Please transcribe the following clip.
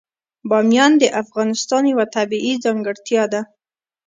بامیان د افغانستان یوه طبیعي ځانګړتیا ده.